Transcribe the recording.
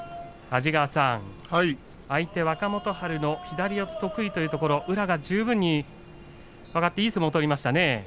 安治川さん、相手、若元春、左四つ得意というところ、宇良が十分に分かって、いい相撲を取りましたね。